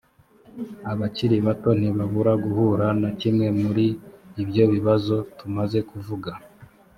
abakiri bato ntibabura guhura na kimwe muri ibyo bibazo tumaze kuvuga